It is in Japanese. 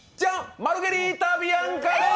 マルゲリータビアンカです！